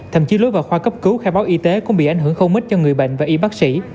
thậm chí lối vào khoa cấp cứu khai báo y tế cũng bị ảnh hưởng không ít cho người bệnh và y bác sĩ